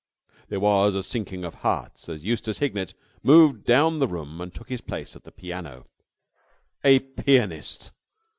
There was a sinking of hearts as Eustace Hignett moved down the room and took his place at the piano. A pianist!